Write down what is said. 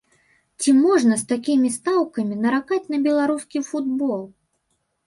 Ці можна з такімі стаўкамі наракаць на беларускі футбол?